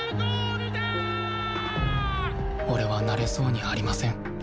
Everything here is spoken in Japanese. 俺はなれそうにありません